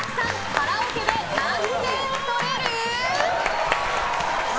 カラオケで何点取れる？